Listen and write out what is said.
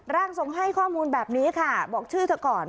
ร่างทรงให้ข้อมูลแบบนี้ค่ะบอกชื่อเธอก่อน